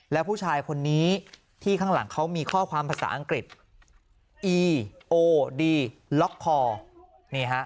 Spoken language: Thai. แล้วผู้ชายคนนี้ที่ข้างหลังเขามีข้อความภาษาอังกฤษอีโอดีล็อกคอนี่ฮะ